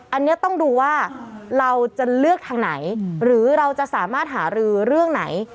อันนี้ต้องดูว่าเราจะเลือกทางไหนหรือเราจะสามารถหารือเรื่องไหน